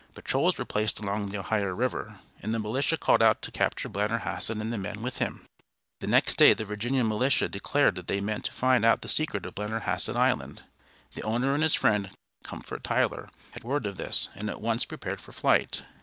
Patrols were placed along the Ohio River, and the militia called out to capture Blennerhassett and the men with him. The next day the Virginia militia declared that they meant to find out the secret of Blennerhassett Island. The owner and his friend, Comfort Tyler, had word of this, and at once prepared for flight.